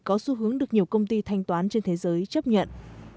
có xu hướng được nhiều công ty thanh toán trên thế giới chấp nhận